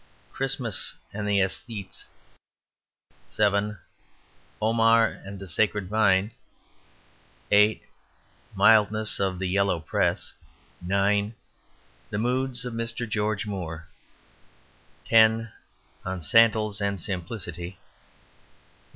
Christmas and the Esthetes 7. Omar and the Sacred Vine 8. The Mildness of the Yellow Press 9. The Moods of Mr. George Moore 10. On Sandals and Simplicity 11.